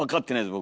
僕。